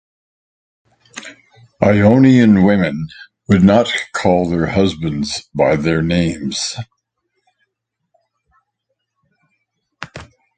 Ionian women would not call their husbands by their names.